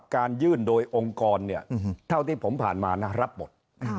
การยื่นโดยองค์กรเนี่ยเท่าที่ผมผ่านมานะรับหมด